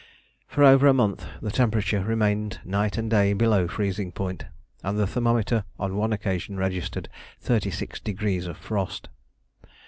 For over a month the temperature remained night and day below freezing point, and the thermometer on one occasion registered thirty six degrees of frost.